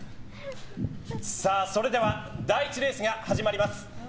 それでは、第１レースが始まります。